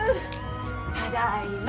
ただいま。